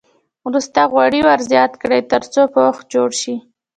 وروسته غوړي ور زیات کړئ تر څو پوښ جوړ شي.